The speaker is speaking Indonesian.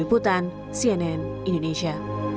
dini putan cnn indonesia